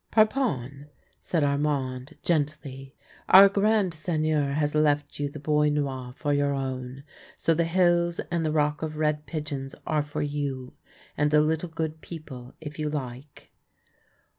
" Parpon," said Armand gently, " our grand Sei gneur has left you the Bois Noir for your own. So the hills and the Rock of Red Pigeons are for you — and the little good people, if you like."